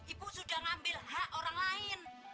ibu sudah ngambil hak orang lain